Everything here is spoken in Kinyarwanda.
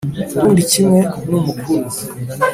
Urundi kimwe n umukuru